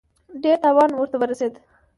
ډېر تاوان ورته ورسېد.